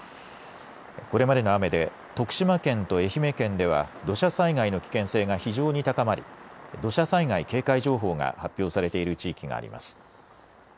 これまでの雨で徳島県と愛媛県では土砂災害の危険性が非常に高まり土砂災害警戒情報が発表されている地域があります。